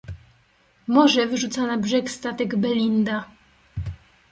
"Morze wyrzuca na brzeg statek „Belinda“."